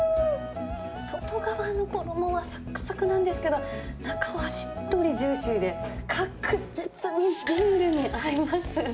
外側の衣はさくさくなんですけど、中はしっとりジューシーで、確実にビールに合います。